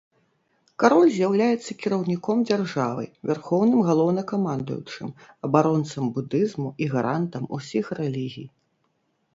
Кароль з'яўляецца кіраўніком дзяржавы, вярхоўным галоўнакамандуючым, абаронцам будызму і гарантам усіх рэлігій.